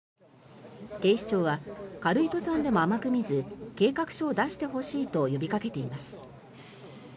警視庁は軽い登山でも甘く見ず計画書を出してほしいと呼びかけています。